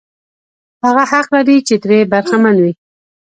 هغه حق لري چې ترې برخمن وي.